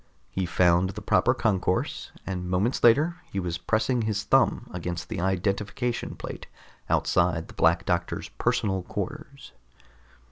He found the proper concourse, and moments later he was pressing his thumb against the identification plate outside the Black Doctor's personal quarters.